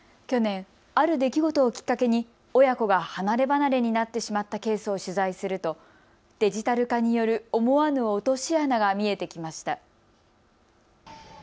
去年、ある出来事をきっかけに親子が離ればなれになってしまったケースを取材するとデジタル化による思わぬ落とし穴が見えてきました。